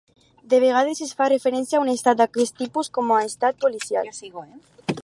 De vegades es fa referència a un estat d'aquest tipus com a estat policial.